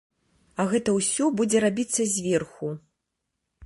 А гэта ўсё будзе рабіцца зверху.